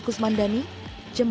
tentang anti flora